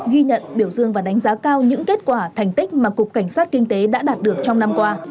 ghi nhận biểu dương và đánh giá cao những kết quả thành tích mà cục cảnh sát kinh tế đã đạt được trong năm qua